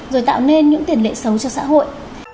rồi tạo nên những tiền lệ xấu cho xã hội